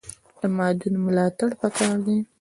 د مادون ملاتړ پکار دی